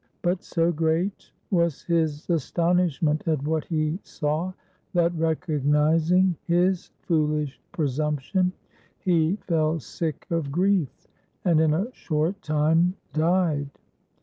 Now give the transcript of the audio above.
But so great was his astonishment at what he saw that, recognizing his fooHsh presumption, he fell sick of grief, and in a short time died.